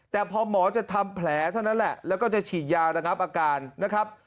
แต่พอหมอจะทำแผลเท่านั้นแหละแล้วก็จะฉีดยาระงับอาการนะครับ